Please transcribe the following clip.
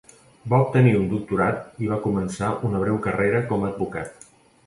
Va obtenir un doctorat, i va començar una breu carrera com a advocat.